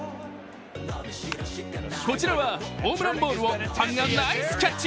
こちらはホームランボールをファンがナイスキャッチ。